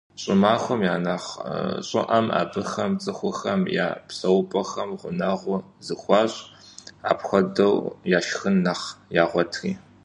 ЩӀымахуэм я нэхъ щӀыӀэм абыхэм цӀыхухэм я псэупӀэхэм гъунэгъу зыхуащӀ, апхуэдэу яшхын нэхъ ягъуэтри.